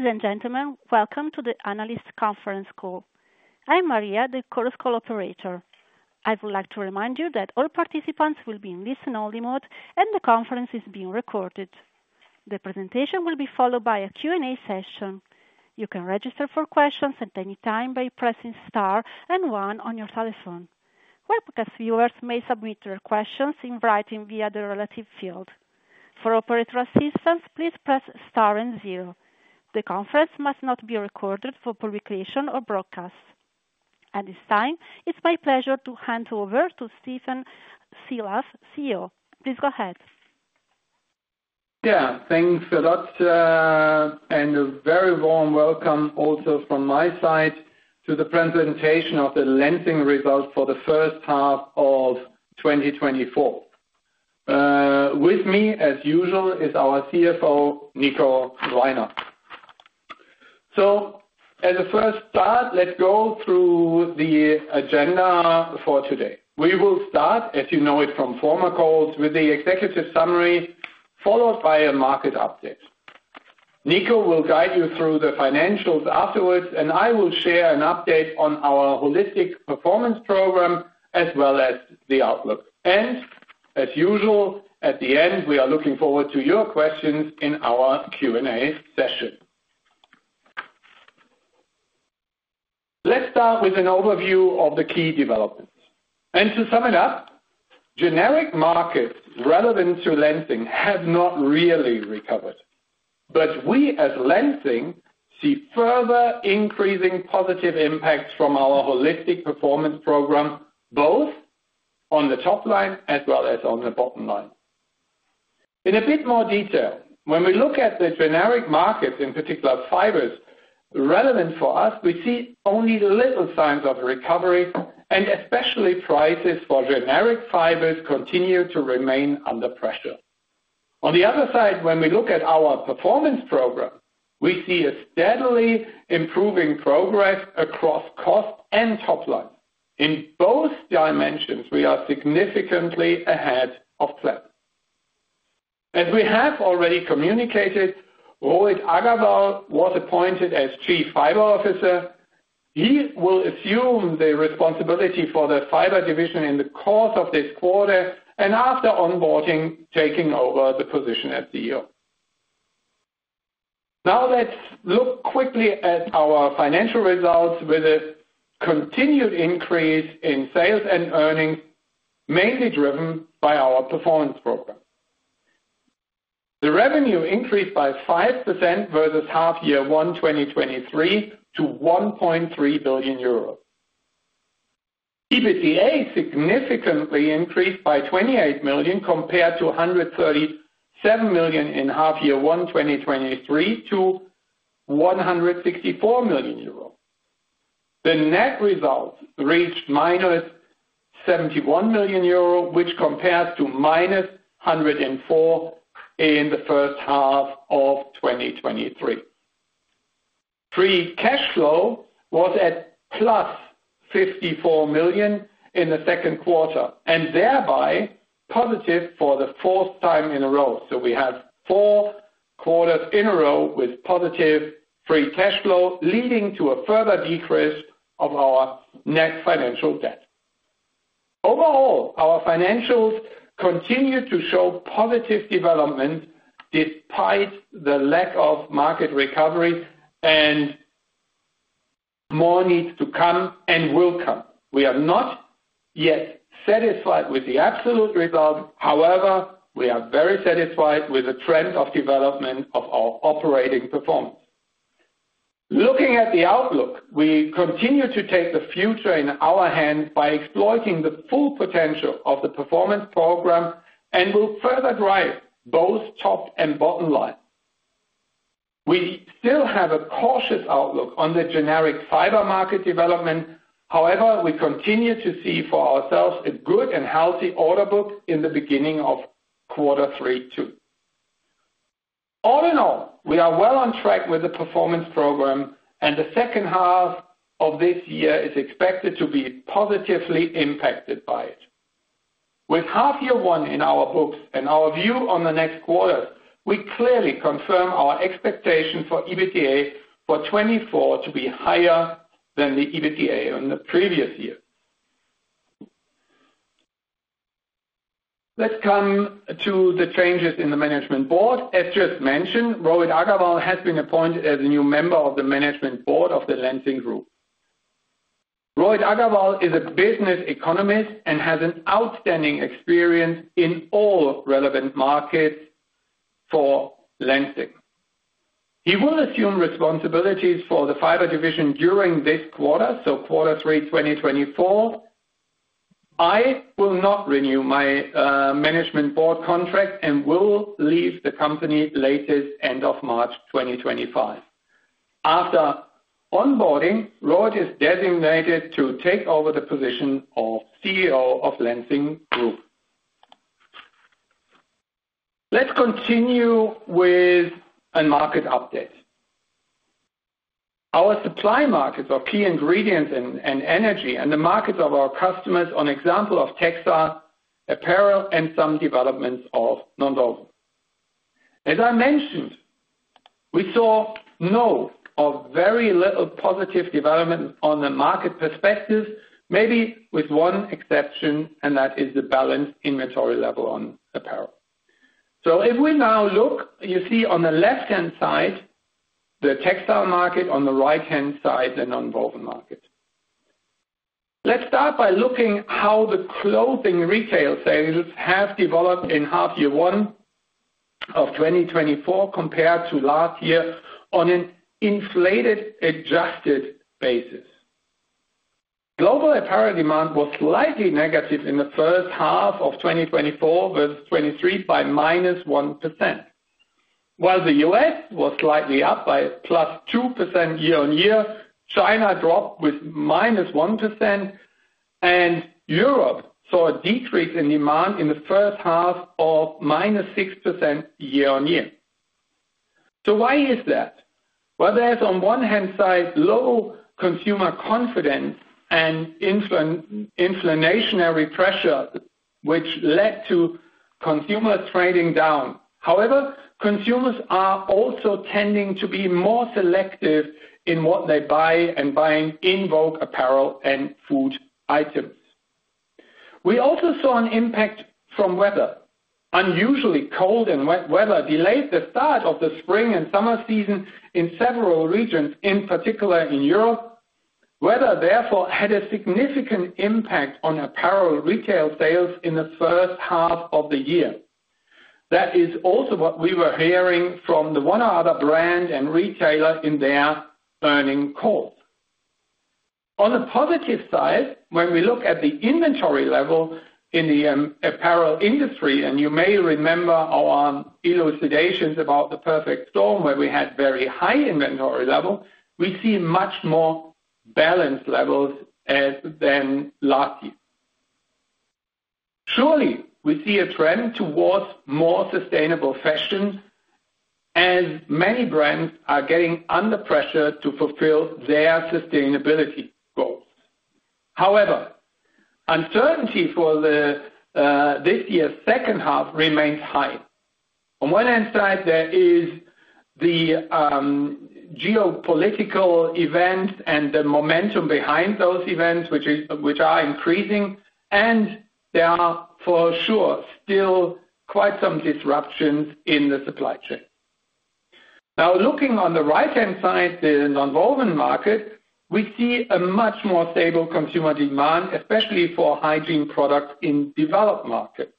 Ladies and gentlemen, welcome to the Analyst Conference Call. I'm Maria, the conference call operator. I would like to remind you that all participants will be in listen-only mode, and the conference is being recorded. The presentation will be followed by a Q&A session. You can register for questions at any time by pressing star and One on your telephone. Webcast viewers may submit their questions in writing via the relevant field. For operator assistance, please press Star and Zero. The conference must not be recorded for publication or broadcast. At this time, it's my pleasure to hand over to Stephan Sielaff, CEO. Please go ahead. Yeah, thanks a lot, and a very warm welcome also from my side to the presentation of the Lenzing results for the first half of 2024. With me, as usual, is our CFO, Nico Reiner. So as a first start, let's go through the agenda for today. We will start, as you know it from former calls, with the executive summary, followed by a market update. Nico will guide you through the financials afterwards, and I will share an update on our Holistic Performance Program, as well as the outlook. And as usual, at the end, we are looking forward to your questions in our Q&A session. Let's start with an overview of the key developments. And to sum it up, generic markets relevant to Lenzing have not really recovered. But we, as Lenzing, see further increasing positive impacts from our Holistic Performance Program, both on the top line as well as on the bottom line. In a bit more detail, when we look at the generic markets, in particular, fibers relevant for us, we see only little signs of recovery, and especially prices for generic fibers continue to remain under pressure. On the other side, when we look at our performance program, we see a steadily improving progress across cost and top line. In both dimensions, we are significantly ahead of plan. As we have already communicated, Rohit Aggarwal was appointed as Chief Fiber Officer. He will assume the responsibility for the fiber division in the course of this quarter and after onboarding, taking over the position as CEO. Now, let's look quickly at our financial results with a continued increase in sales and earnings, mainly driven by our performance program. The revenue increased by 5% versus first half of 2023 to 1.3 billion euros. EBITDA significantly increased by 28 million compared to 137 million in first half of 2023 to EUR 164 million. The net results reached -71 million euros, which compares to -104 million in the first half of 2023. Free cash flow was at +54 million in the second quarter, and thereby positive for the fourth time in a row. So we have four quarters in a row with positive free cash flow, leading to a further decrease of our net financial debt. Overall, our financials continue to show positive development despite the lack of market recovery and more needs to come and will come. We are not yet satisfied with the absolute result. However, we are very satisfied with the trend of development of our operating performance. Looking at the outlook, we continue to take the future in our hands by exploiting the full potential of the performance program and will further drive both top and bottom line. We still have a cautious outlook on the generic fiber market development. However, we continue to see for ourselves a good and healthy order book in the beginning of quarter three, too. All in all, we are well on track with the performance program, and the second half of this year is expected to be positively impacted by it. With half year one in our books and our view on the next quarter, we clearly confirm our expectation for EBITDA for 2024 to be higher than the EBITDA on the previous year. Let's come to the changes in the management board. As just mentioned, Rohit Aggarwal has been appointed as a new member of the management board of the Lenzing Group. Rohit Aggarwal is a business economist and has an outstanding experience in all relevant markets for Lenzing. He will assume responsibilities for the fiber division during this quarter, so quarter three, 2024. I will not renew my management board contract and will leave the company latest end of March 2025. After onboarding, Rohit is designated to take over the position of CEO of Lenzing Group. Let's continue with a market update. Our supply markets are key ingredients and energy and the markets of our customers, one example of textile, apparel, and some developments of nonwoven. As I mentioned, we saw no or very little positive development on the market perspective, maybe with one exception, and that is the balanced inventory level on apparel. So if we now look, you see on the left-hand side, the textile market, on the right-hand side, the nonwoven market. Let's start by looking how the clothing retail sales have developed in half year one of 2024 compared to last year on an inflation-adjusted basis. Global apparel demand was slightly negative in the first half of 2024 versus 2023 by -1%. While the U.S. was slightly up by +2% year-on-year, China dropped with -1%, and Europe saw a decrease in demand in the first half of -6% year-on-year. So why is that? Well, there's on one hand side, low consumer confidence and inflationary pressure, which led to consumer trading down. However, consumers are also tending to be more selective in what they buy and buying in vogue apparel and food items. We also saw an impact from weather. Unusually cold and wet weather delayed the start of the spring and summer season in several regions, in particular in Europe. Weather, therefore, had a significant impact on apparel retail sales in the first half of the year. That is also what we were hearing from the one or other brand and retailer in their earnings calls. On the positive side, when we look at the inventory level in the apparel industry, and you may remember our elucidations about the perfect storm, where we had very high inventory level, we see much more balanced levels than last year. Surely, we see a trend towards more sustainable fashion, and many brands are getting under pressure to fulfill their sustainability goals. However, uncertainty for this year's second half remains high. On one hand side, there is the geopolitical events and the momentum behind those events, which are increasing, and there are, for sure, still quite some disruptions in the supply chain. Now, looking on the right-hand side, the nonwoven market, we see a much more stable consumer demand, especially for hygiene products in developed markets.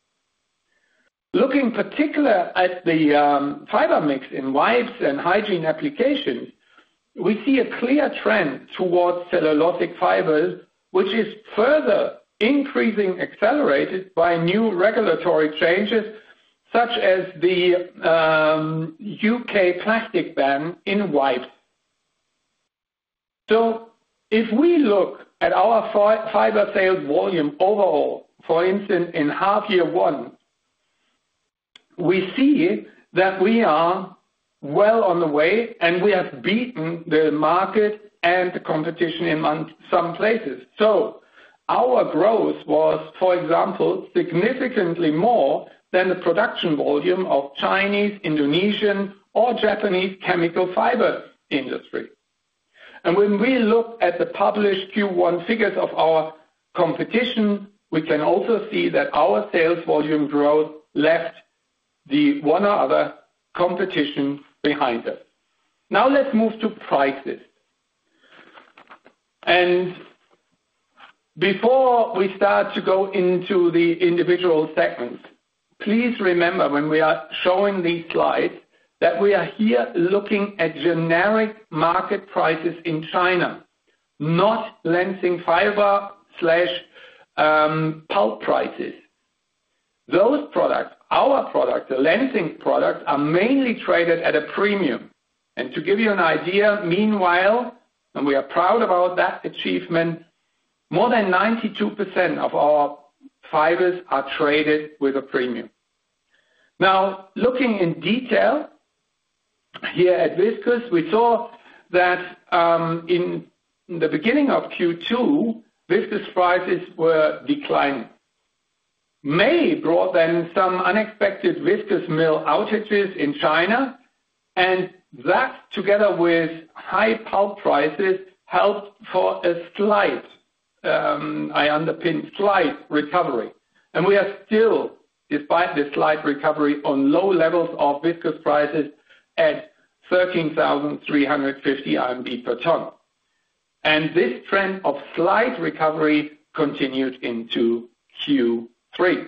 Looking particularly at the fiber mix in wipes and hygiene applications, we see a clear trend towards cellulosic fibers, which is further increasing, accelerated by new regulatory changes, such as the U.K. plastic ban in wipes. So if we look at our fiber sales volume overall, for instance, in half year one, we see that we are well on the way, and we have beaten the market and the competition in some places. So our growth was, for example, significantly more than the production volume of Chinese, Indonesian, or Japanese chemical fiber industry. And when we look at the published Q1 figures of our competition, we can also see that our sales volume growth left the one other competition behind us. Now, let's move to prices. Before we start to go into the individual segments, please remember, when we are showing these slides, that we are here looking at generic market prices in China, not Lenzing fiber slash pulp prices. Those products, our products, the Lenzing products, are mainly traded at a premium. To give you an idea, meanwhile, and we are proud about that achievement, more than 92% of our fibers are traded with a premium. Now, looking in detail here at viscose, we saw that, in the beginning of Q2, viscose prices were declining. May brought then some unexpected viscose mill outages in China, and that, together with high pulp prices, helped for a slight upturn, slight recovery. We are still, despite this slight recovery, on low levels of viscose prices at 13,350 RMB per ton. This trend of slight recovery continued into Q3.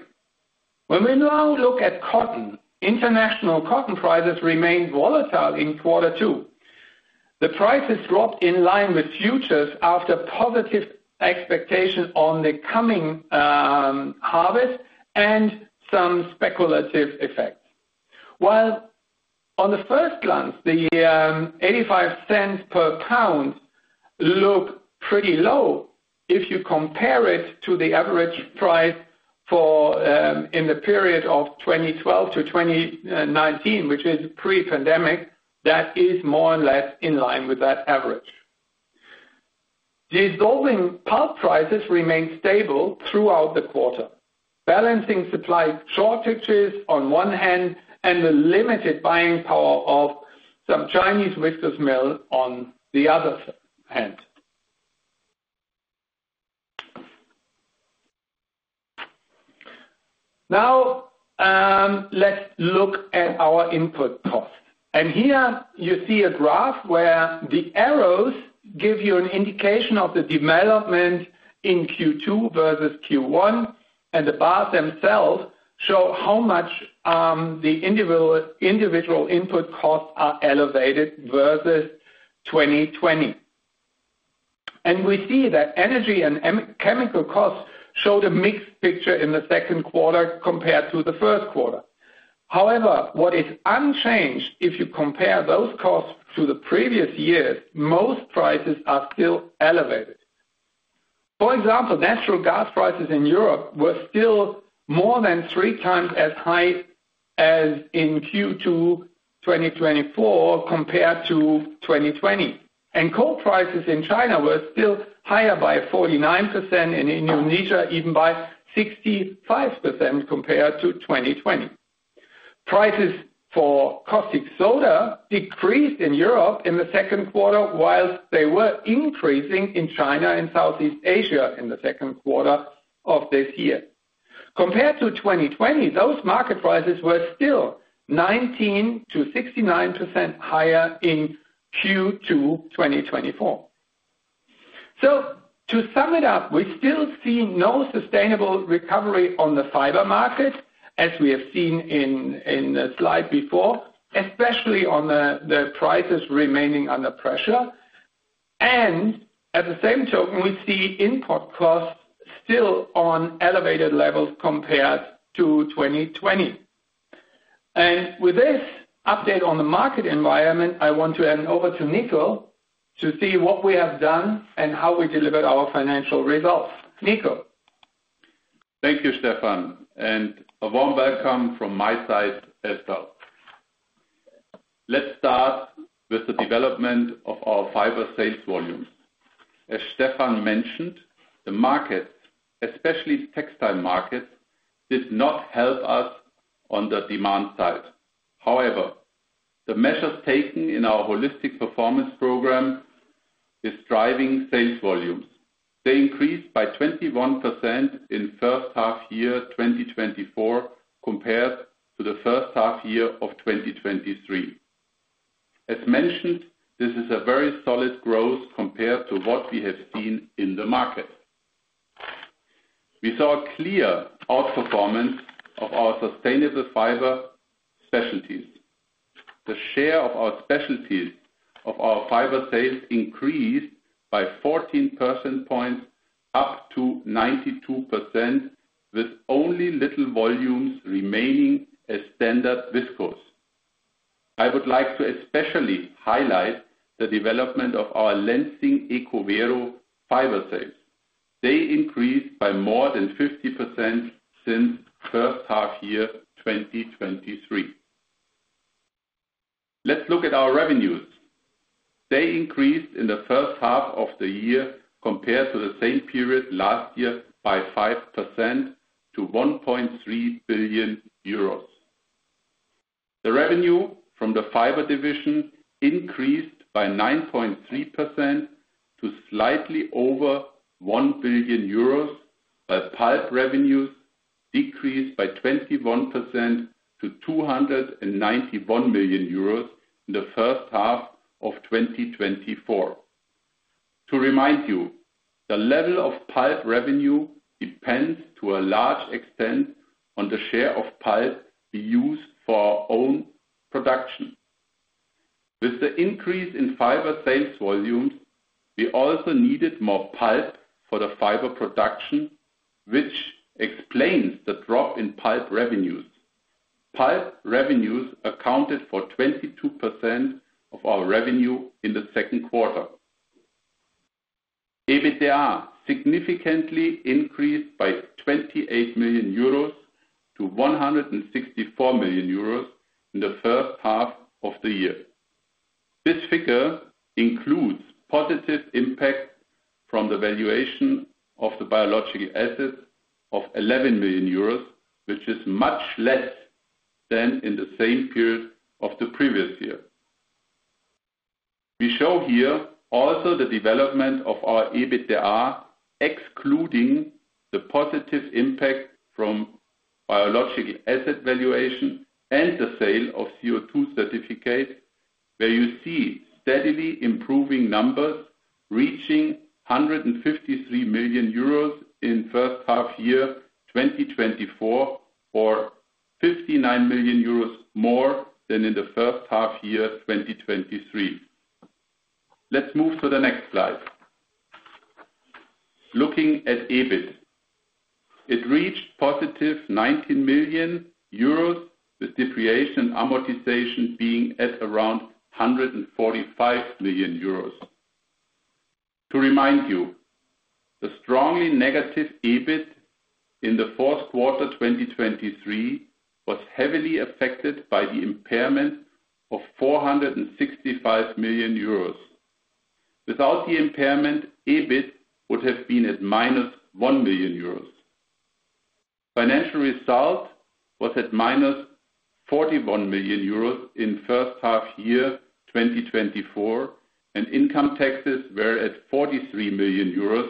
When we now look at cotton, international cotton prices remained volatile in quarter two. The prices dropped in line with futures after positive expectation on the coming harvest and some speculative effects. While on the first glance, the $0.85 per pound looks pretty low if you compare it to the average price for in the period of 2012 to 2019, which is pre-pandemic, that is more or less in line with that average. Dissolving pulp prices remained stable throughout the quarter, balancing supply shortages on one hand and the limited buying power of some Chinese viscose mills on the other hand. Now, let's look at our input costs. Here you see a graph where the arrows give you an indication of the development in Q2 versus Q1, and the bars themselves show how much the individual, individual input costs are elevated versus 2020. We see that energy and chemical costs showed a mixed picture in the second quarter compared to the first quarter. However, what is unchanged, if you compare those costs to the previous years, most prices are still elevated. For example, natural gas prices in Europe were still more than three times as high as in Q2 2024 compared to 2020, and coal prices in China were still higher by 49%, and in Indonesia, even by 65% compared to 2020. Prices for caustic soda decreased in Europe in the second quarter, while they were increasing in China and Southeast Asia in the second quarter of this year. Compared to 2020, those market prices were still 19%-69% higher in Q2 2024. So to sum it up, we still see no sustainable recovery on the fiber market, as we have seen in the slide before, especially on the prices remaining under pressure. And at the same token, we see input costs still on elevated levels compared to 2020. And with this update on the market environment, I want to hand over to Nico to see what we have done and how we delivered our financial results. Nico? Thank you, Stephan, and a warm welcome from my side as well. Let's start with the development of our fiber sales volumes. As Stephan mentioned, the markets, especially textile markets, did not help us on the demand side. However, the measures taken in our Holistic Performance Program is driving sales volumes. They increased by 21% in first half year 2024, compared to the first half year of 2023. As mentioned, this is a very solid growth compared to what we have seen in the market. We saw a clear outperformance of our sustainable fiber specialties. The share of our specialties of our fiber sales increased by 14 percentage points, up to 92%, with only little volumes remaining as standard viscose. I would like to especially highlight the development of our Lenzing ECOVERO fiber sales. They increased by more than 50% since first half year, 2023. Let's look at our revenues. They increased in the first half of the year compared to the same period last year by 5% to 1.3 billion euros. The revenue from the fiber division increased by 9.3% to slightly over 1 billion euros, but pulp revenues decreased by 21% to 291 million euros in the first half of 2024. To remind you, the level of pulp revenue depends to a large extent on the share of pulp we use for our own production. With the increase in fiber sales volumes, we also needed more pulp for the fiber production, which explains the drop in pulp revenues. Pulp revenues accounted for 22% of our revenue in the second quarter. EBITDA significantly increased by 28 million euros to 164 million euros in the first half of the year. This figure includes positive impact from the valuation of the biological assets of 11 million euros, which is much less than in the same period of the previous year. We show here also the development of our EBITDA, excluding the positive impact from biological asset valuation and the sale of CO2 certificate, where you see steadily improving numbers reaching 153 million euros in first half year, 2024, or 59 million euros more than in the first half year, 2023. Let's move to the next slide.... Looking at EBIT, it reached positive 19 million euros, with depreciation and amortization being at around 145 million euros. To remind you, the strongly negative EBIT in the fourth quarter, 2023, was heavily affected by the impairment of 465 million euros. Without the impairment, EBIT would have been at -1 million euros. Financial result was at -41 million euros in first half year, 2024, and income taxes were at 43 million euros,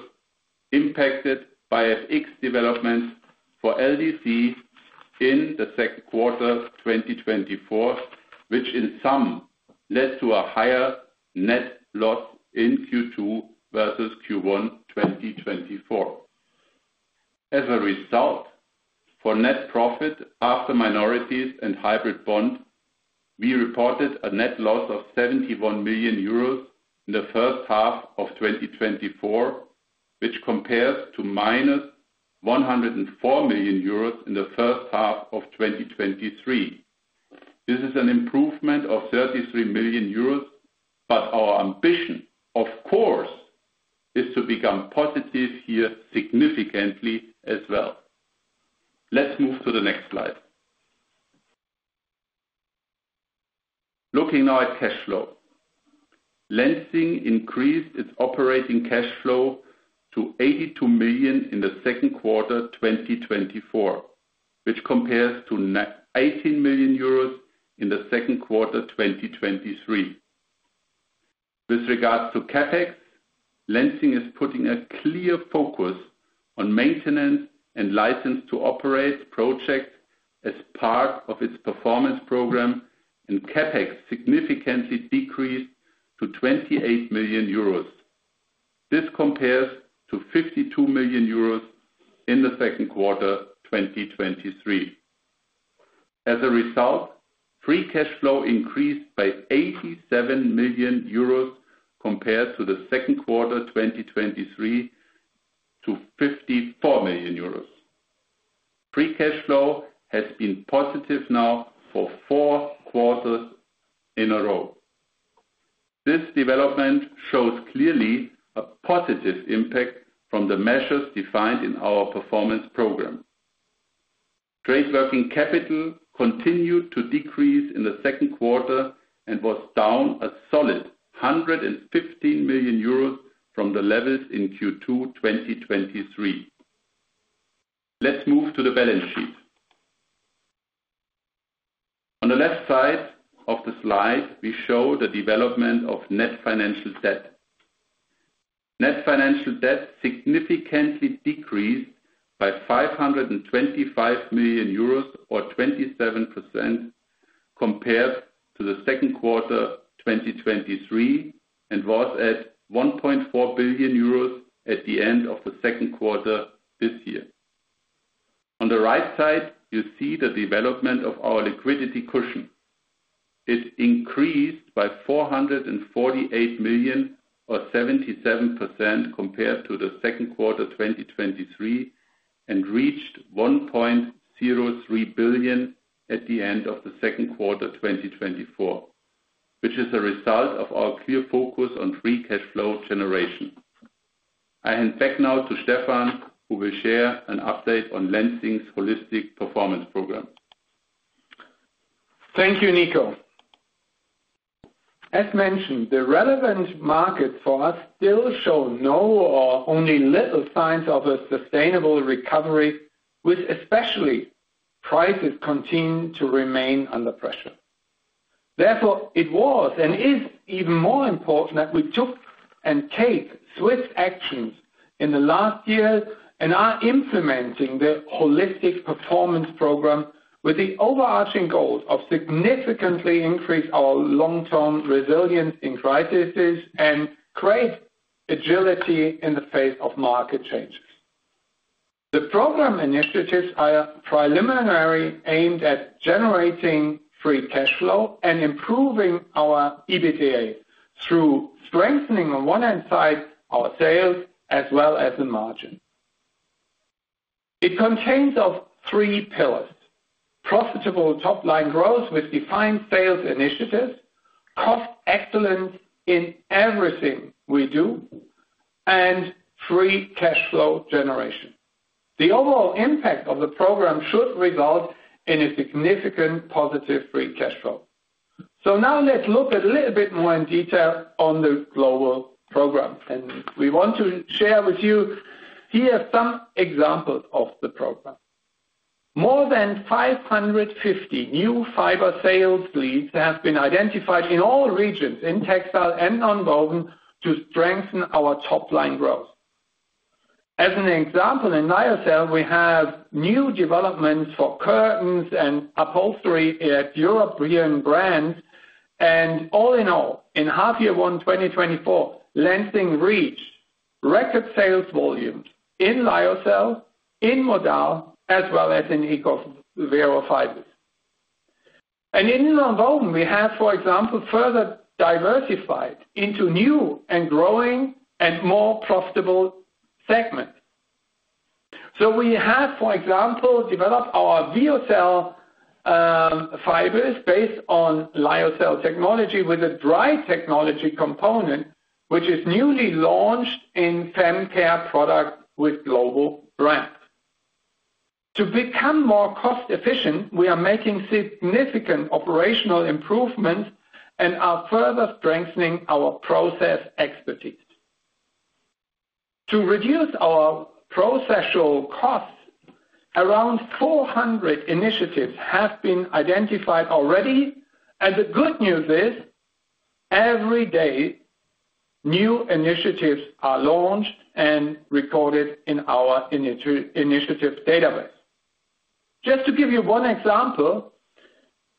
impacted by FX development for LDC in the second quarter, 2024, which in sum, led to a higher net loss in Q2 versus Q1, 2024. As a result, for net profit after minorities and hybrid bond, we reported a net loss of 71 million euros in the first half of 2024, which compares to -104 million euros in the first half of 2023. This is an improvement of 33 million euros, but our ambition, of course, is to become positive here significantly as well. Let's move to the next slide. Looking now at cash flow. Lenzing increased its operating cash flow to 82 million in the second quarter, 2024, which compares to net 18 million euros in the second quarter, 2023. With regards to CapEx, Lenzing is putting a clear focus on maintenance and license to operate projects as part of its performance program, and CapEx significantly decreased to 28 million euros. This compares to 52 million euros in the second quarter, 2023. As a result, free cash flow increased by 87 million euros compared to the second quarter, 2023, to 54 million euros. Free cash flow has been positive now for four quarters in a row. This development shows clearly a positive impact from the measures defined in our performance program. Trade working capital continued to decrease in the second quarter and was down a solid 115 million euros from the levels in Q2 2023. Let's move to the balance sheet. On the left side of the slide, we show the development of net financial debt. Net financial debt significantly decreased by 525 million euros or 27% compared to the second quarter 2023, and was at 1.4 billion euros at the end of the second quarter this year. On the right side, you see the development of our liquidity cushion. It increased by 448 million or 77% compared to the second quarter, 2023, and reached 1.03 billion at the end of the second quarter, 2024, which is a result of our clear focus on free cash flow generation. I hand back now to Stephan, who will share an update on Lenzing's Holistic Performance Program. Thank you, Nico. As mentioned, the relevant markets for us still show no or only little signs of a sustainable recovery, with especially prices continuing to remain under pressure. Therefore, it was, and is even more important that we took and take swift actions in the last year, and are implementing the Holistic Performance Program with the overarching goal of significantly increase our long-term resilience in crisis and create agility in the face of market changes. The program initiatives are preliminary, aimed at generating free cash flow and improving our EBITDA through strengthening, on one hand side, our sales as well as the margin. It contains of three pillars: profitable top-line growth with defined sales initiatives, cost excellence in everything we do, and free cash flow generation. The overall impact of the program should result in a significant positive free cash flow. So now let's look at a little bit more in detail on the global program, and we want to share with you here some examples of the program. More than 550 new fiber sales leads have been identified in all regions, in textile and nonwoven, to strengthen our top-line growth. As an example, in lyocell, we have new developments for curtains and upholstery at Europe brand. And all in all, in half year 1, 2024, Lenzing reached record sales volumes in lyocell, in modal, as well as in ECOVERO fibers. And in nonwoven, we have, for example, further diversified into new and growing and more profitable segments. So we have, for example, developed our VEOCEL fibers based on lyocell technology with a dry technology component, which is newly launched in fem care product with global brands. To become more cost efficient, we are making significant operational improvements and are further strengthening our process expertise. To reduce our processual costs, around 400 initiatives have been identified already, and the good news is, every day, new initiatives are launched and recorded in our initiative database. Just to give you one example,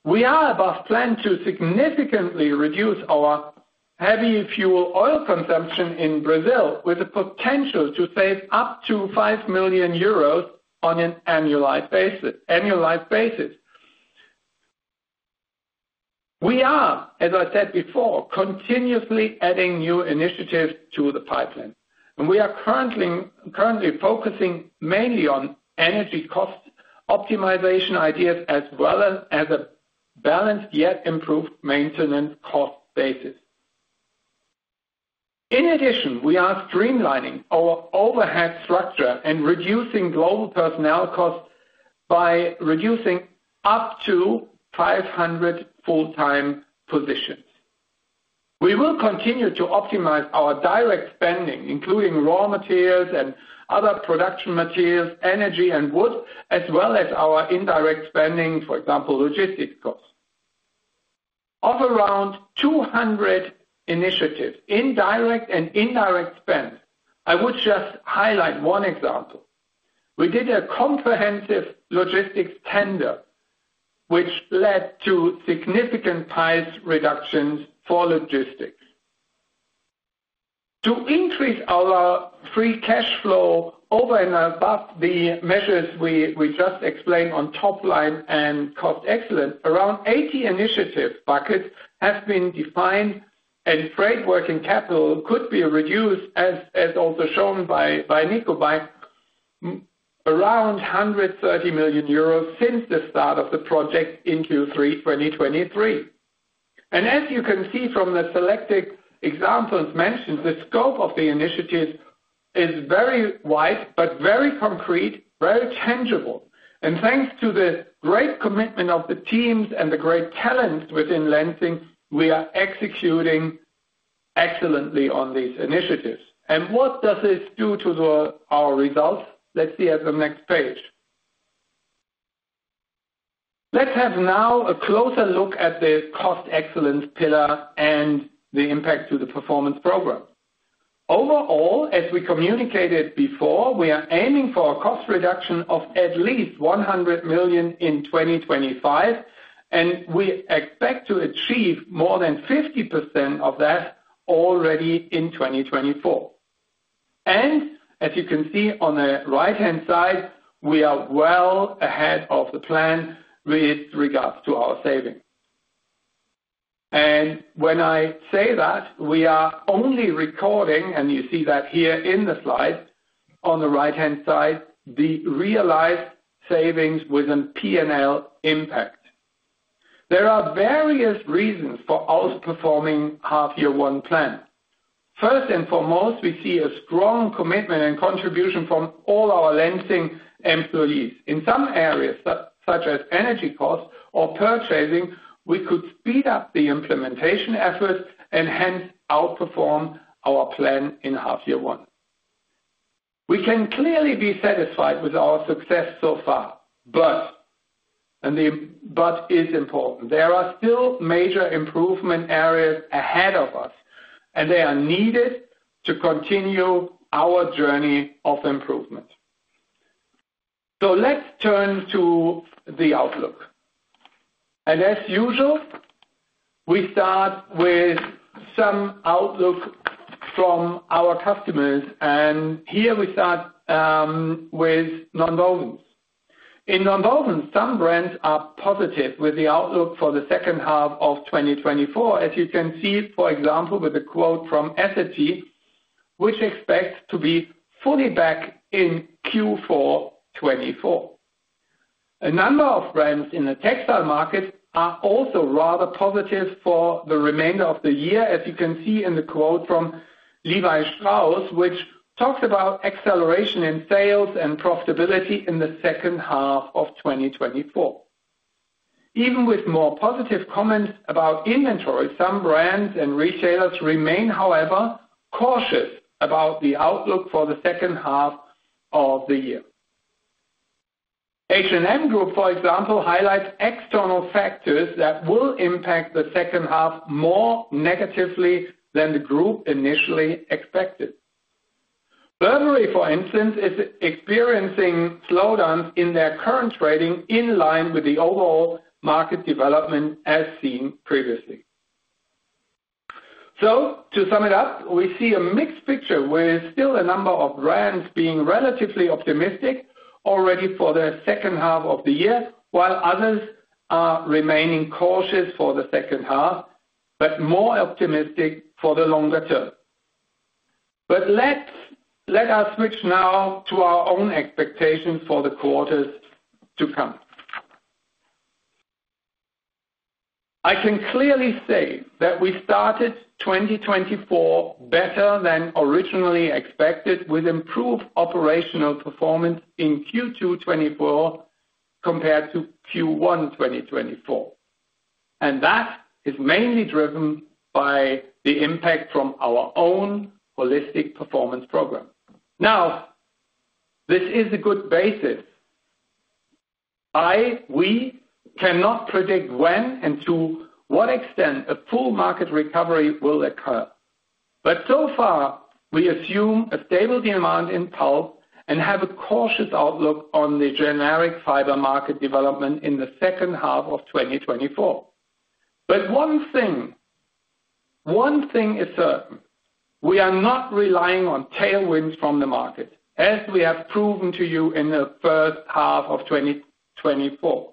we are above plan to significantly reduce our heavy fuel oil consumption in Brazil, with the potential to save up to 5 million euros on an annualized basis. We are, as I said before, continuously adding new initiatives to the pipeline, and we are currently focusing mainly on energy cost optimization ideas, as well as a balanced, yet improved maintenance cost basis. In addition, we are streamlining our overhead structure and reducing global personnel costs by reducing up to 500 full-time positions. We will continue to optimize our direct spending, including raw materials and other production materials, energy and wood, as well as our indirect spending, for example, logistics costs. Of around 200 initiatives, in direct and indirect spend, I would just highlight one example. We did a comprehensive logistics tender, which led to significant price reductions for logistics. To increase our free cash flow over and above the measures we just explained on top line and cost excellence, around 80 initiative buckets have been defined, and trade working capital could be reduced, as also shown by Nico, around 130 million euros since the start of the project in Q3 2023. As you can see from the selected examples mentioned, the scope of the initiatives is very wide, but very concrete, very tangible. And thanks to the great commitment of the teams and the great talent within Lenzing, we are executing excellently on these initiatives. And what does this do to the, our results? Let's see at the next page. Let's have now a closer look at the cost excellence pillar and the impact to the performance program. Overall, as we communicated before, we are aiming for a cost reduction of at least 100 million in 2025, and we expect to achieve more than 50% of that already in 2024. And as you can see on the right-hand side, we are well ahead of the plan with regards to our savings. And when I say that, we are only recording, and you see that here in the slide, on the right-hand side, the realized savings with a P&L impact. There are various reasons for outperforming half year one plan. First and foremost, we see a strong commitment and contribution from all our Lenzing employees. In some areas, such as energy costs or purchasing, we could speed up the implementation efforts and hence outperform our plan in half year one. We can clearly be satisfied with our success so far, but, and the but is important, there are still major improvement areas ahead of us, and they are needed to continue our journey of improvement. So let's turn to the outlook. And as usual, we start with some outlook from our customers, and here we start with nonwovens. In nonwovens, some brands are positive with the outlook for the second half of 2024, as you can see, for example, with a quote from Essity, which expects to be fully back in Q4 2024. A number of brands in the textile market are also rather positive for the remainder of the year, as you can see in the quote from Levi Strauss, which talks about acceleration in sales and profitability in the second half of 2024. Even with more positive comments about inventory, some brands and retailers remain, however, cautious about the outlook for the second half of the year. H&M Group, for example, highlights external factors that will impact the second half more negatively than the group initially expected. Burberry, for instance, is experiencing slowdowns in their current trading in line with the overall market development as seen previously. So to sum it up, we see a mixed picture, where still a number of brands being relatively optimistic already for the second half of the year, while others are remaining cautious for the second half, but more optimistic for the longer term. But let us switch now to our own expectations for the quarters to come. I can clearly say that we started 2024 better than originally expected, with improved operational performance in Q2 2024, compared to Q1 2024. And that is mainly driven by the impact from our own Holistic Performance Program. Now, this is a good basis. I, we cannot predict when and to what extent a full market recovery will occur. But so far, we assume a stable demand in pulp and have a cautious outlook on the generic fiber market development in the second half of 2024. But one thing, one thing is certain, we are not relying on tailwinds from the market, as we have proven to you in the first half of 2024.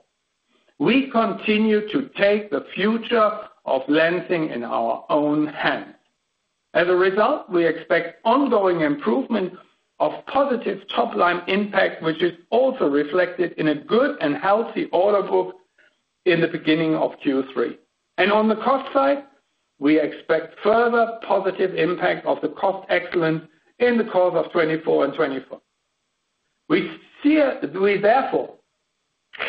We continue to take the future of Lenzing in our own hands. As a result, we expect ongoing improvement of positive top line impact, which is also reflected in a good and healthy order book in the beginning of Q3. On the cost side, we expect further positive impact of the cost excellence in the course of 2024 and 2025. We see, we therefore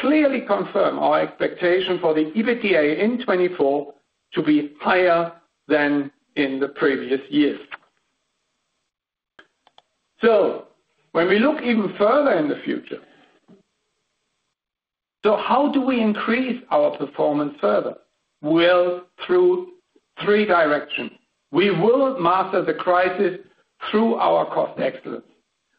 clearly confirm our expectation for the EBITDA in 2024 to be higher than in the previous years. When we look even further in the future, how do we increase our performance further? Well, through three directions. We will master the crisis through our cost excellence.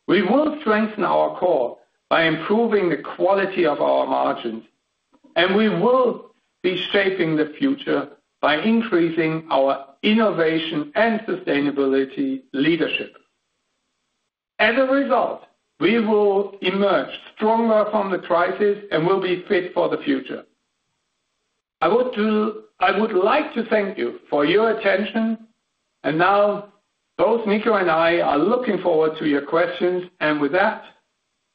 We will strengthen our core by improving the quality of our margins, and we will be shaping the future by increasing our innovation and sustainability leadership. As a result, we will emerge stronger from the crisis and will be fit for the future. I would like to thank you for your attention, and now both Nico and I are looking forward to your questions. And with that,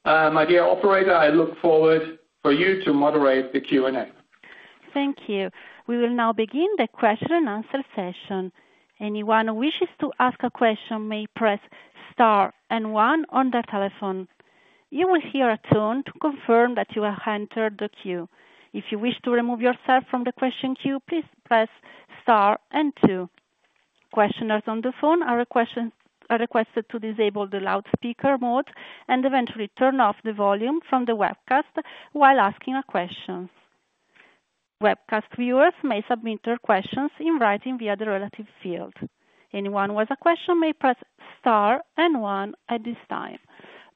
my dear operator, I look forward for you to moderate the Q&A. Thank you. We will now begin the question and answer session. Anyone who wishes to ask a question may press Star and One on their telephone. You will hear a tone to confirm that you have entered the queue. If you wish to remove yourself from the question queue, please press Star and Two. Questioners on the phone are requested to disable the loudspeaker mode and eventually turn off the volume from the webcast while asking a question. Webcast viewers may submit their questions in writing via the relative field. Anyone with a question may press Star and One at this time.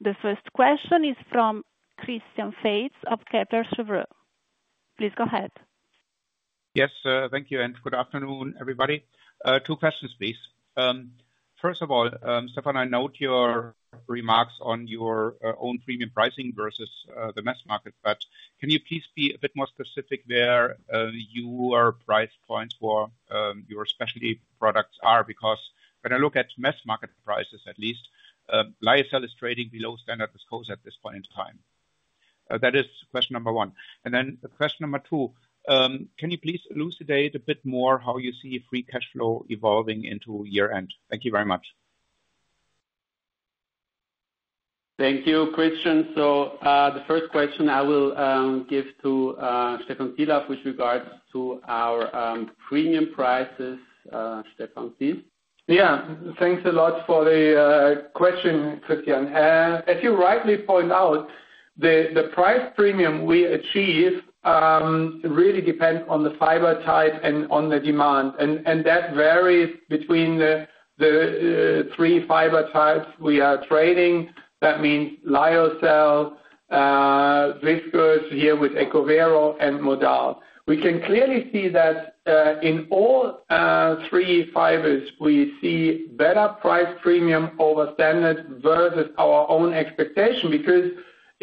The first question is from Christian Faitz of Kepler Cheuvreux. Please go ahead. Yes, thank you, and good afternoon, everybody. Two questions, please. First of all, Stephan, I note your remarks on your own premium pricing versus the mass market, but can you please be a bit more specific where your price points for your specialty products are? Because when I look at mass market prices, at least, lyocell is trading below standard viscose at this point in time. That is question number one. And then question number two, can you please elucidate a bit more how you see free cash flow evolving into year-end? Thank you very much. Thank you, Christian. So, the first question I will give to Stephan Sielaff, with regards to our premium prices. Stephan, please. Yeah, thanks a lot for the question, Christian. As you rightly point out, the price premium we achieve really depends on the fiber type and on the demand. And that varies between the three fiber types we are trading. That means lyocell, viscose, here with ECOVERO and Modal. We can clearly see that in all three fibers, we see better price premium over standard versus our own expectation, because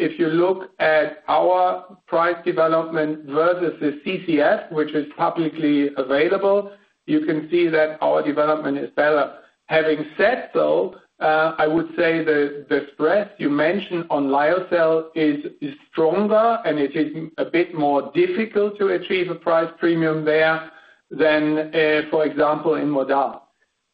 if you look at our price development versus the CCF, which is publicly available, you can see that our development is better. Having said so, I would say the spread you mentioned on lyocell is stronger, and it is a bit more difficult to achieve a price premium there than, for example, in Modal.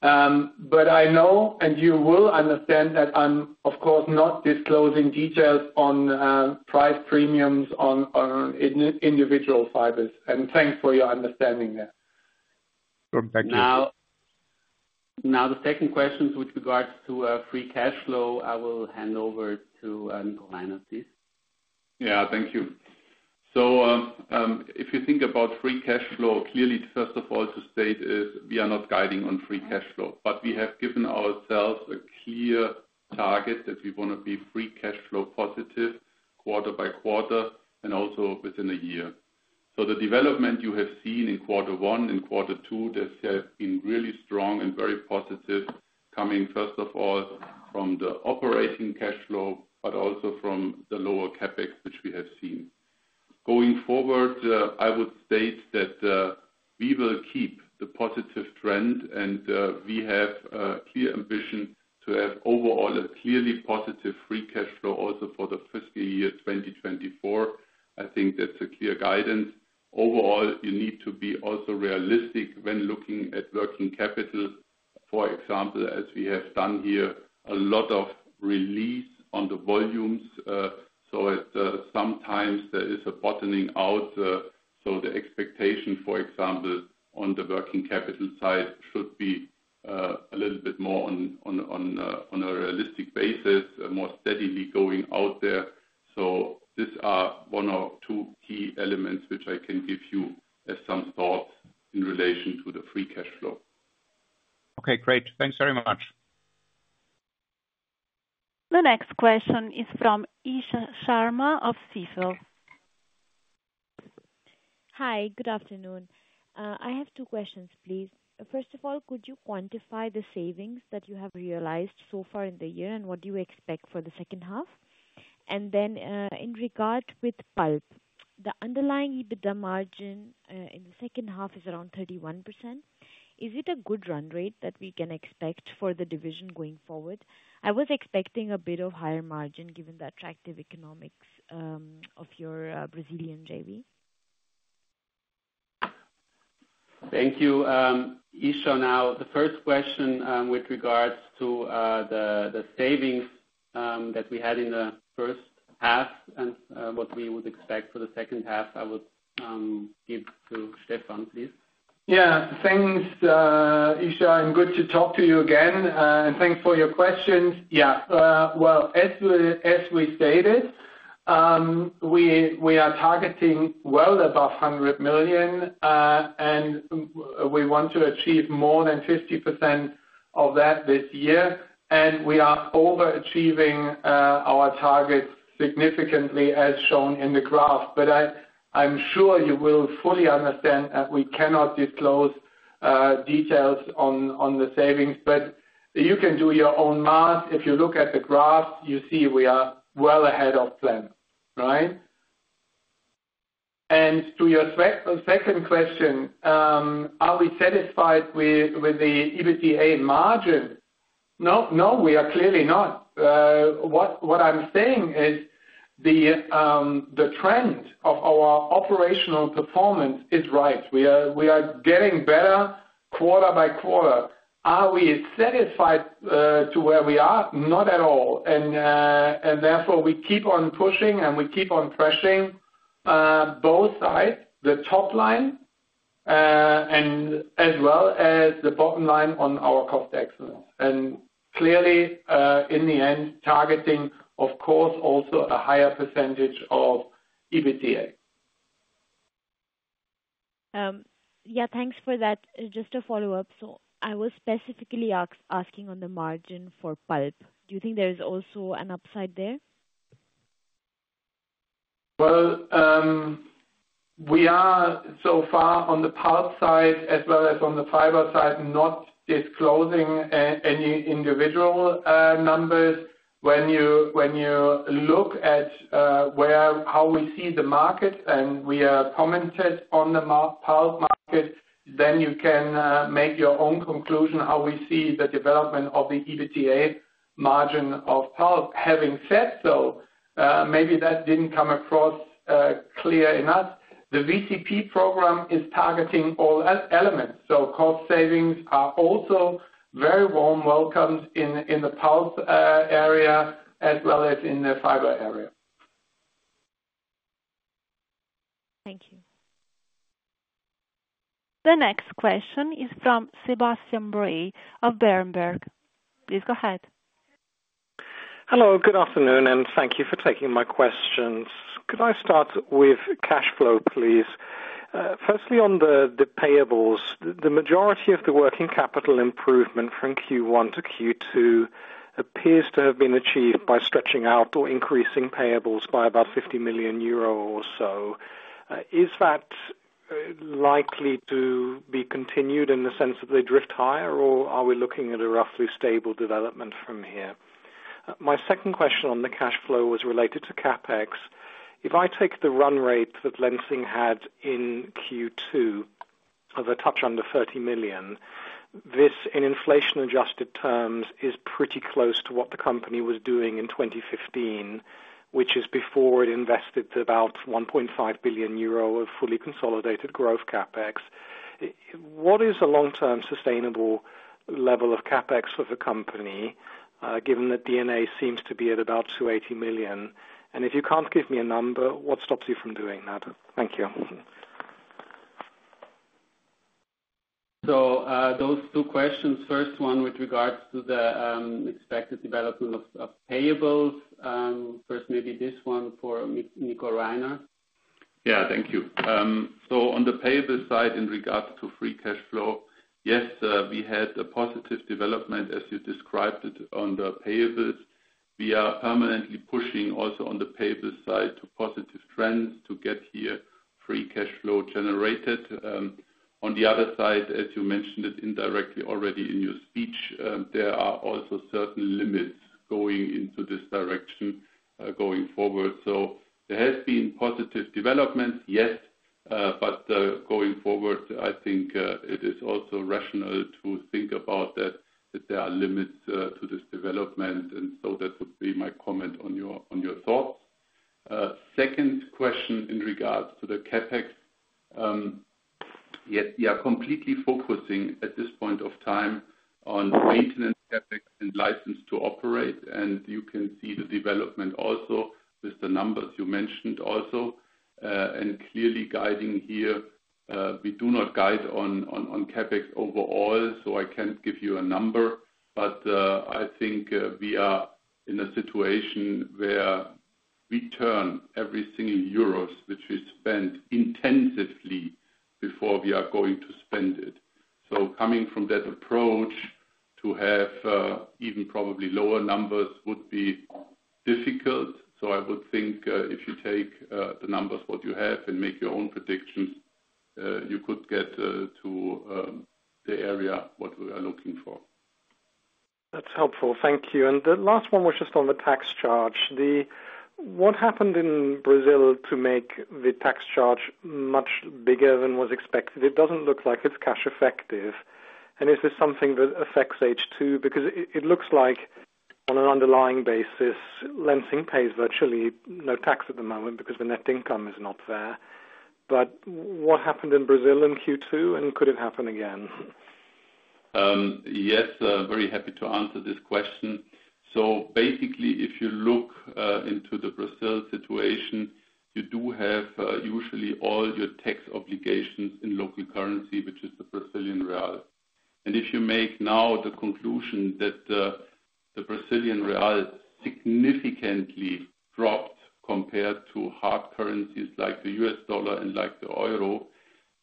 But I know, and you will understand, that I'm, of course, not disclosing details on price premiums on individual fibers, and thanks for your understanding there. Thank you. Now, the second question with regards to free cash flow, I will hand over to Nico Reiner. Yeah, thank you. So, if you think about free cash flow, clearly, first of all, to state is we are not guiding on free cash flow, but we have given ourselves a clear target that we want to be free cash flow positive quarter by quarter and also within a year. So the development you have seen in quarter one and quarter two, this has been really strong and very positive, coming first of all, from the operating cash flow, but also from the lower CapEx, which we have seen. Going forward, I would state that we will keep the positive trend, and we have a clear ambition to have overall a clearly positive free cash flow also for the fiscal year 2024. I think that's a clear guidance. Overall, you need to be also realistic when looking at working capital, for example, as we have done here, a lot of release on the volumes. So at times there is a bottoming out. So the expectation, for example, on the working capital side, should be a little bit more on a realistic basis, more steadily going out there. So these are one or two key elements which I can give you as some thoughts in relation to the free cash flow. Okay, great. Thanks very much. The next question is from Isha Sharma of Stifel. Hi, good afternoon. I have two questions, please. First of all, could you quantify the savings that you have realized so far in the year, and what do you expect for the second half? And then, in regard with pulp, the underlying EBITDA margin in the second half is around 31%. Is it a good run rate that we can expect for the division going forward? I was expecting a bit of higher margin, given the attractive economics of your Brazilian JV. Thank you, Isha. Now, the first question, with regards to the savings that we had in the first half and what we would expect for the second half, I would give to Stephan, please. Yeah. Thanks, Isha, and good to talk to you again, and thanks for your questions. Yeah, well, as we stated, we are targeting well above 100 million, and we want to achieve more than 50% of that this year. And we are overachieving our targets significantly, as shown in the graph. But I'm sure you will fully understand that we cannot disclose details on the savings, but you can do your own math. If you look at the graph, you see we are well ahead of plan, right? And to your second question, are we satisfied with the EBITDA margin? No, no, we are clearly not. What I'm saying is the trend of our operational performance is right. We are getting better quarter by quarter. Are we satisfied to where we are? Not at all. Therefore, we keep on pushing, and we keep on pushing both sides, the top line, and as well as the bottom line on our cost excellence. Clearly, in the end, targeting, of course, also a higher percentage of EBITDA. Yeah, thanks for that. Just a follow-up: So I was specifically asking on the margin for pulp. Do you think there is also an upside there? Well, we are so far on the pulp side as well as on the fiber side, not disclosing any individual numbers. When you look at where, how we see the market, and we are commented on the market pulp market, then you can make your own conclusion how we see the development of the EBITDA margin of pulp. Having said so, maybe that didn't come across clear enough. The VCP program is targeting all elements, so cost savings are also very warm welcomes in the pulp area, as well as in the fiber area. Thank you. The next question is from Sebastian Bray of Berenberg. Please go ahead. Hello, good afternoon, and thank you for taking my questions. Could I start with cash flow, please? Firstly, on the payables, the majority of the working capital improvement from Q1 to Q2 appears to have been achieved by stretching out or increasing payables by about 50 million euro or so. Is that likely to be continued in the sense that they drift higher, or are we looking at a roughly stable development from here? My second question on the cash flow was related to CapEx. If I take the run rate that Lenzing had in Q2, of a touch under 30 million, this, in inflation-adjusted terms, is pretty close to what the company was doing in 2015, which is before it invested about 1.5 billion euro of fully consolidated growth CapEx. What is the long-term sustainable level of CapEx for the company, given that DNA seems to be at about 280 million? And if you can't give me a number, what stops you from doing that? Thank you. So, those two questions, first one with regards to the expected development of payables, first, maybe this one for Nico Reiner. Yeah, thank you. So on the payable side, in regards to free cash flow, yes, we had a positive development, as you described it, on the payables. We are permanently pushing also on the payable side to positive trends to get here free cash flow generated. On the other side, as you mentioned it indirectly already in your speech, there are also certain limits going into this direction, going forward. So there has been positive developments, yes, but going forward, I think it is also rational to think about that, that there are limits to this development, and so that would be my comment on your thoughts. Second question in regards to the CapEx. Yes, we are completely focusing at this point of time on maintenance CapEx and license to operate, and you can see the development also with the numbers you mentioned also. Clearly guiding here, we do not guide on CapEx overall, so I can't give you a number, but I think we are in a situation where we turn every single euros which we spend intensively before we are going to spend it. Coming from that approach, to have even probably lower numbers would be difficult. I would think if you take the numbers what you have and make your own predictions, you could get to the area what we are looking for. That's helpful. Thank you. The last one was just on the tax charge. What happened in Brazil to make the tax charge much bigger than was expected? It doesn't look like it's cash effective. Is this something that affects H2? Because it looks like on an underlying basis, Lenzing pays virtually no tax at the moment because the net income is not there. What happened in Brazil in Q2, and could it happen again? Yes, very happy to answer this question. So basically, if you look into the Brazil situation, you do have usually all your tax obligations in local currency, which is the Brazilian real. And if you make now the conclusion that the Brazilian real significantly dropped compared to hard currencies like the U.S. dollar and like the euro,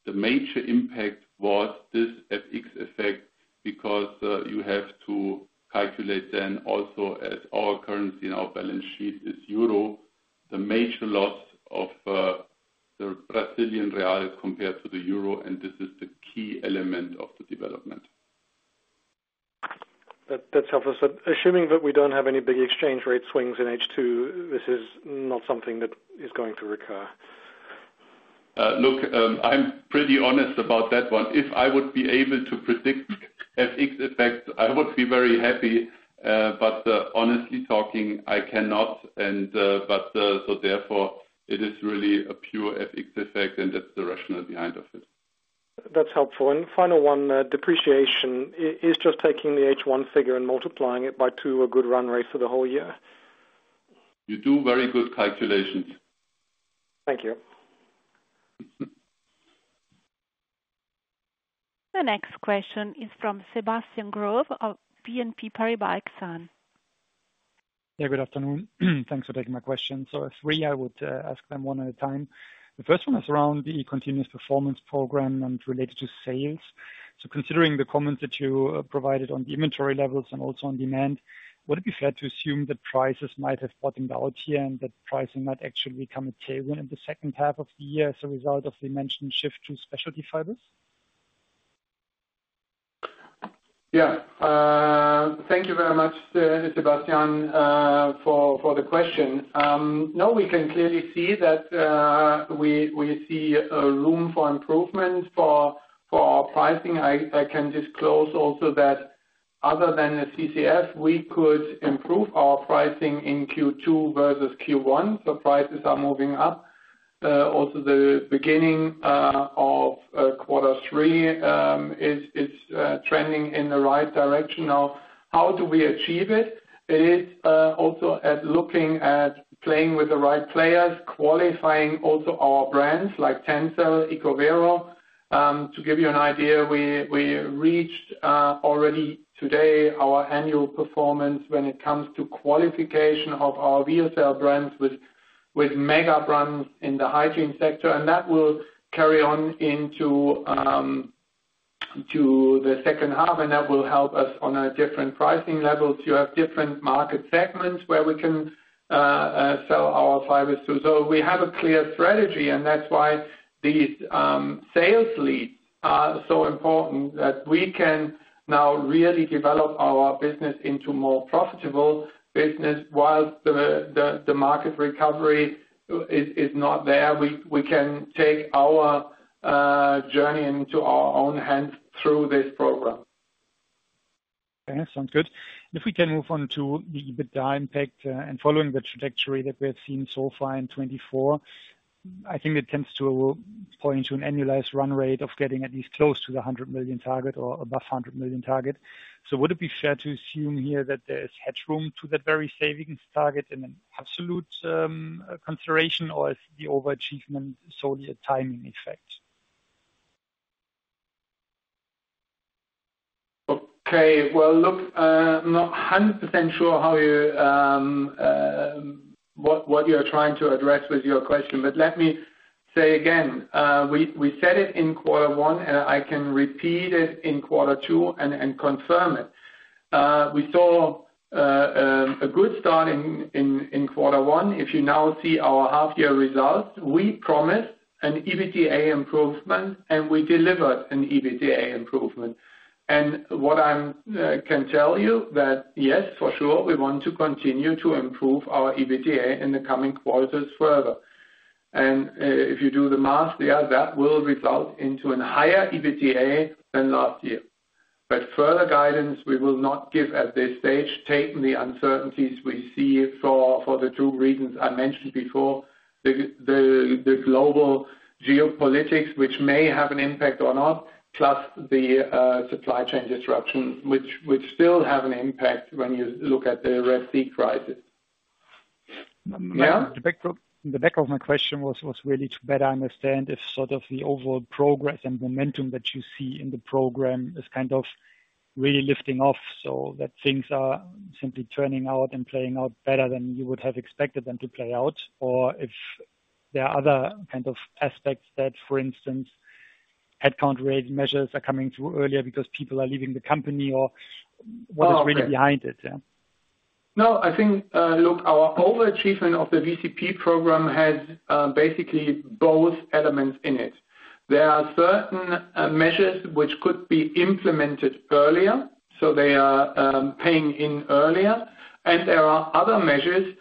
the major impact was this FX effect, because you have to calculate then also, as our currency in our balance sheet is euro, the major loss of the Brazilian real is compared to the euro, and this is the key element of the development. That, that's helpful. So assuming that we don't have any big exchange rate swings in H2, this is not something that is going to recur? Look, I'm pretty honest about that one. If I would be able to predict FX effect, I would be very happy, but honestly talking, I cannot. So therefore, it is really a pure FX effect, and that's the rationale behind of it. That's helpful. Final one, depreciation. Is just taking the H1 figure and multiplying it by two a good run rate for the whole year? You do very good calculations. Thank you. The next question is from Sebastian Growe of BNP Paribas Exane. Yeah, good afternoon. Thanks for taking my question. So there's three, I would ask them one at a time. The first one is around the Holistic Performance Program and related to sales. So considering the comments that you provided on the inventory levels and also on demand, would it be fair to assume that prices might have bottomed out here, and that pricing might actually become a tailwind in the second half of the year as a result of the mentioned shift to specialty fibers? Yeah. Thank you very much, Sebastian, for the question. Now we can clearly see that we see a room for improvement for our pricing. I can disclose also that other than the CCF, we could improve our pricing in Q2 versus Q1. So prices are moving up. Also, the beginning of quarter three is trending in the right direction. Now, how do we achieve it? It is also at looking at playing with the right players, qualifying also our brands like TENCEL, ECOVERO. To give you an idea, we reached already today our annual performance when it comes to qualification of our real sale brands with mega brands in the hygiene sector, and that will carry on into to the second half, and that will help us on a different pricing level to have different market segments where we can sell our fibers to. So we have a clear strategy, and that's why these sales leads are so important that we can now really develop our business into more profitable business. While the market recovery is not there, we can take our journey into our own hands through this program. Okay, sounds good. If we can move on to the EBITDA impact, and following the trajectory that we have seen so far in 2024, I think it tends to point to an annualized run rate of getting at least close to the 100 million target or above 100 million target. So would it be fair to assume here that there is headroom to that very savings target in an absolute consideration, or is the overachievement solely a timing effect? Okay, well, look, I'm not 100% sure what you are trying to address with your question, but let me-... Say again, we said it in quarter one, and I can repeat it in quarter two and confirm it. We saw a good start in quarter one. If you now see our half year results, we promised an EBITDA improvement, and we delivered an EBITDA improvement. And what I can tell you that yes, for sure, we want to continue to improve our EBITDA in the coming quarters further. And if you do the math, yeah, that will result into a higher EBITDA than last year. But further guidance, we will not give at this stage, taking the uncertainties we see for the two reasons I mentioned before: the global geopolitics, which may have an impact or not, plus the supply chain disruption, which still have an impact when you look at the Red Sea crisis. Yeah? The back of my question was really to better understand if sort of the overall progress and momentum that you see in the program is kind of really lifting off, so that things are simply turning out and playing out better than you would have expected them to play out. Or if there are other kind of aspects that, for instance, headcount rate measures are coming through earlier because people are leaving the company or what is really behind it? Yeah. No, I think, look, our overachievement of the VCP program has basically both elements in it. There are certain measures which could be implemented earlier, so they are paying in earlier. And there are other measures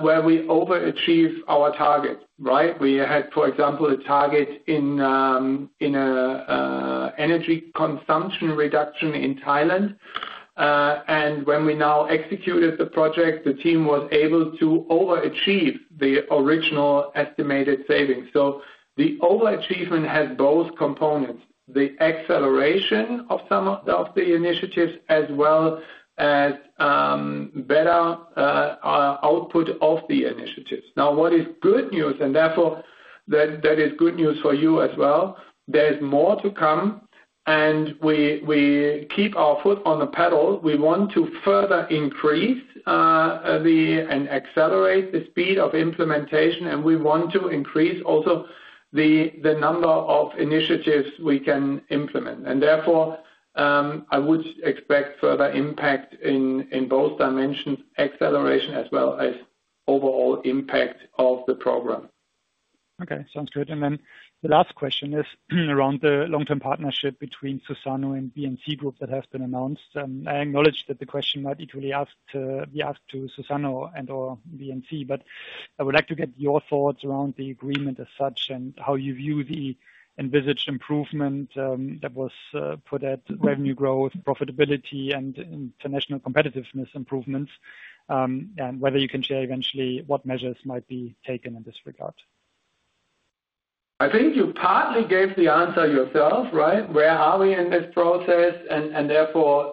where we overachieve our target, right? We had, for example, a target in an energy consumption reduction in Thailand. And when we now executed the project, the team was able to overachieve the original estimated savings. So the overachievement has both components, the acceleration of some of the initiatives, as well as better output of the initiatives. Now, what is good news, and therefore, that is good news for you as well, there's more to come, and we keep our foot on the pedal. We want to further increase the... and accelerate the speed of implementation, and we want to increase also the number of initiatives we can implement. And therefore, I would expect further impact in both dimensions, acceleration, as well as overall impact of the program. Okay, sounds good. Then the last question is around the long-term partnership between Suzano and B&C Group that has been announced. I acknowledge that the question might equally be asked to Suzano and or B&C, but I would like to get your thoughts around the agreement as such, and how you view the envisaged improvement that was put at revenue growth, profitability, and international competitiveness improvements, and whether you can share eventually what measures might be taken in this regard. I think you partly gave the answer yourself, right? Where are we in this process? And therefore,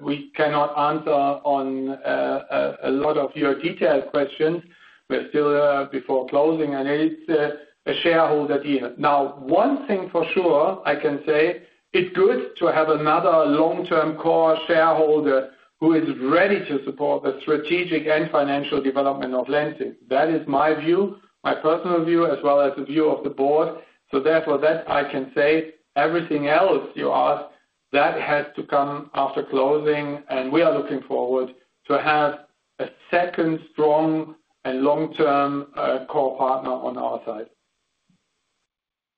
we cannot answer on a lot of your detailed questions. We're still before closing, and it's a shareholder deal. Now, one thing for sure, I can say, it's good to have another long-term core shareholder who is ready to support the strategic and financial development of Lenzing. That is my view, my personal view, as well as the view of the board. So therefore, that I can say. Everything else you ask, that has to come after closing, and we are looking forward to have a second strong and long-term core partner on our side.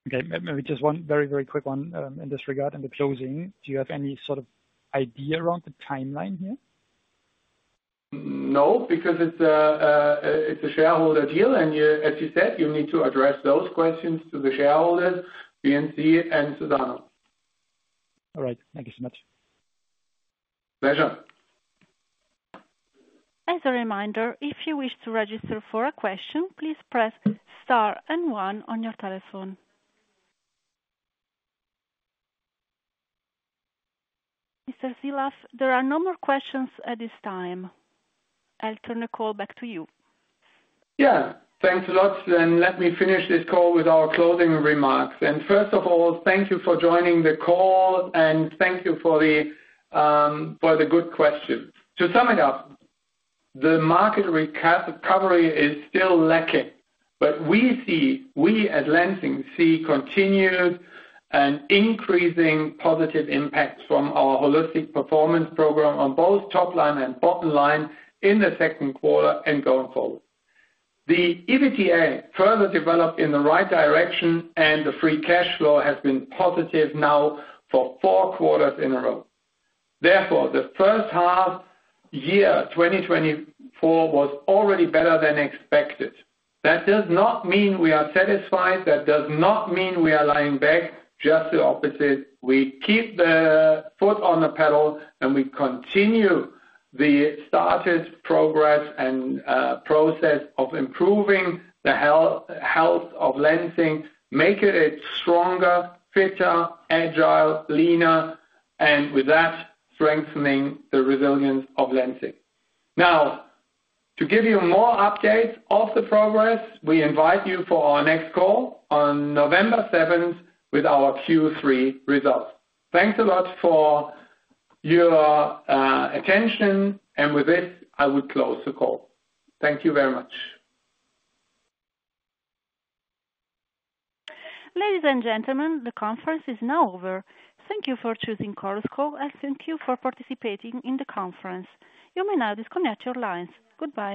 Okay, maybe just one very, very quick one, in this regard, in the closing. Do you have any sort of idea around the timeline here? No, because it's a shareholder deal, and you, as you said, you need to address those questions to the shareholders, BNP and Suzano. All right. Thank you so much. Pleasure. As a reminder, if you wish to register for a question, please press Star and One on your telephone. Mr. Sielaff, there are no more questions at this time. I'll turn the call back to you. Yeah. Thanks a lot, and let me finish this call with our closing remarks. And first of all, thank you for joining the call, and thank you for the, for the good questions. To sum it up, the market recovery is still lacking, but we see, we at Lenzing, see continued and increasing positive impacts from our Holistic Performance Program on both top line and bottom line in the second quarter and going forward. The EBITDA further developed in the right direction, and the free cash flow has been positive now for four quarters in a row. Therefore, the first half year, 2024, was already better than expected. That does not mean we are satisfied. That does not mean we are lying back. Just the opposite. We keep the foot on the pedal, and we continue the started progress and process of improving the health of Lenzing, making it stronger, fitter, agile, leaner, and with that, strengthening the resilience of Lenzing. Now, to give you more updates of the progress, we invite you for our next call on November seventh, with our Q3 results. Thanks a lot for your attention, and with this, I would close the call. Thank you very much. Ladies and gentlemen, the conference is now over. Thank you for choosing Chorus Call, and thank you for participating in the conference. You may now disconnect your lines. Goodbye.